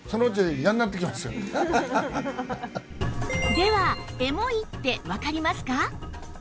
では「エモい」ってわかりますか？